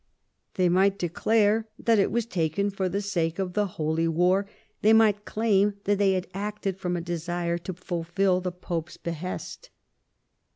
They might declare that it was taken for the sake of the holy war ; they might claim that they had acted from a desire to fulfil the Pope's behest.